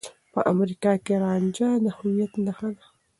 په امريکا کې رانجه د هويت نښه ده.